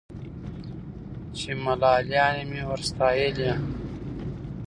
چي ملالیاني مي ور ستایلې